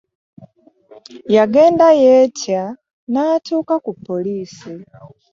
Yagenda yeetya n'atuuka ku poliisi.